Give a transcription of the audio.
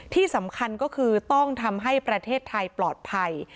ที่สำคัญก็คือต้องทำให้ประเทศไทยปลอดภัย